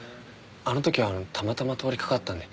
あの時はたまたま通りかかったんで。